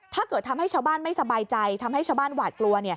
ทำให้ชาวบ้านไม่สบายใจทำให้ชาวบ้านหวาดกลัว